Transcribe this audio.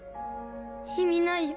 意味ないよ。